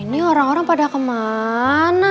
ini orang orang pada kemana